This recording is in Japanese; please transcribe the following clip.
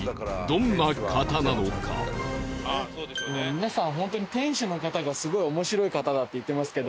皆さん本当に店主の方がすごい面白い方だって言ってますけど。